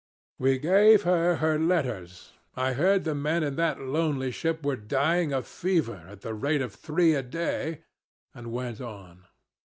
"We gave her her letters (I heard the men in that lonely ship were dying of fever at the rate of three a day) and went on.